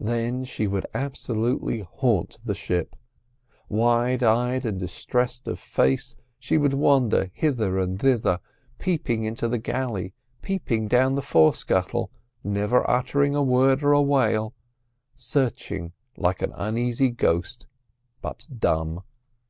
Then she would absolutely haunt the ship. Wide eyed and distressed of face she would wander hither and thither, peeping into the galley, peeping down the forescuttle, never uttering a word or wail, searching like an uneasy ghost, but dumb.